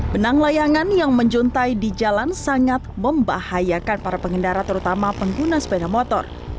benang layangan yang menjuntai di jalan sangat membahayakan para pengendara terutama pengguna sepeda motor